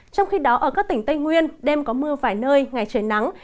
trong khi đó ở các tỉnh tây nguyên đêm có mưa vài nơi ngày trời nắng